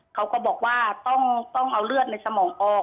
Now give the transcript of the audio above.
เขาก็บอกว่าต้องเอาเลือดในสมองออก